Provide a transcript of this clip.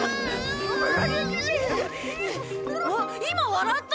あっ今笑った！